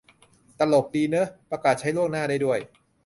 ตลกดีเนอะ ประกาศใช้ล่วงหน้าได้ด้วย